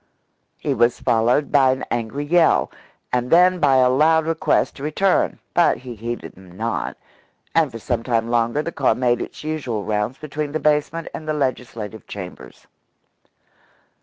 He was followed by an angry yell, and then by a loud request to return, but he heeded them not, and for some time longer the car made its usual rounds between the basement and the legislative chambers.